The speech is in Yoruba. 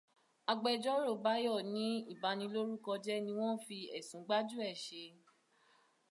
Agbẹjọ́rò Báyọ̀ ní ìbanilórúkọjẹ́ ní wọ́n fí ẹ̀sùn gbájúẹ̀ ṣe.